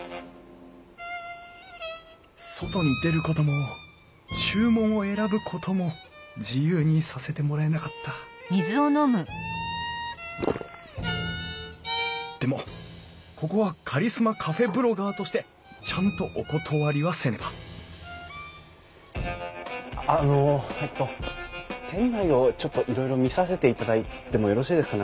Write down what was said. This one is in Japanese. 外に出ることも注文を選ぶことも自由にさせてもらえなかったでもここはカリスマカフェブロガーとしてちゃんとお断りはせねばあのえっと店内をちょっといろいろ見させていただいてもよろしいですかね？